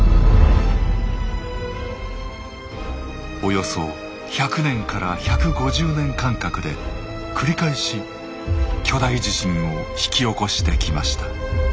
およそ１００年から１５０年間隔で繰り返し巨大地震を引き起こしてきました。